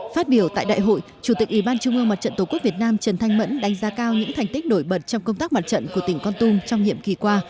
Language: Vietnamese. phát biểu tại đại hội chủ tịch ủy ban trung ương mặt trận tổ quốc việt nam trần thanh mẫn đánh giá cao những thành tích nổi bật trong công tác mặt trận của tỉnh con tum trong nhiệm kỳ qua